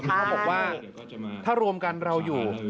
ท่านก็บอกว่าถ้ารวมกันทุกคนเราอยู่